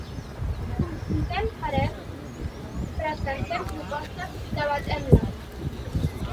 Confrontem parers, presentem propostes, debatem-les.